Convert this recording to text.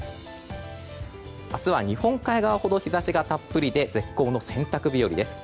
明日は日本海側ほど日差しがたっぷりで絶好の洗濯日和です。